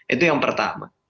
itu yang pertama